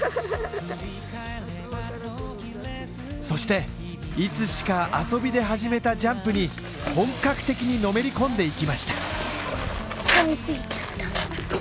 そしていつしか遊びで始めたジャンプに本格的にのめり込んでいきました。